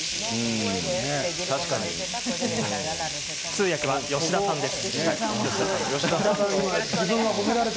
通訳は吉田さんです。